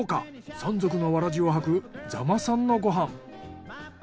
三足のわらじを履く座間さんのご飯。